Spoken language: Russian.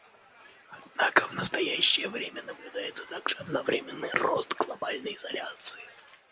Однако в настоящее время наблюдается также одновременный рост глобальной изоляции.